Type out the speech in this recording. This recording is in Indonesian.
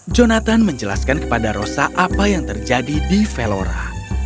jonathan menjelaskan kepada rosa apa yang terjadi di velora